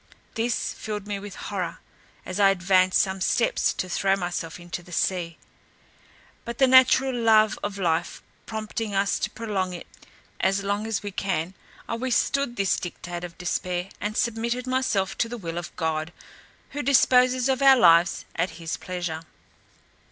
This filled me with horror, and I advanced some steps to throw myself into the sea; but the natural love of life prompting us to prolong it as long as we can, I withstood this dictate of despair, and submitted myself to the will of God, who disposes of our lives at his pleasure.